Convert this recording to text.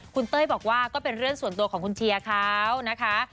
คุณเต้ยบอกว่าก็เป็นเรื่องส่วนตัวของคุณเชียร์เขานะคะ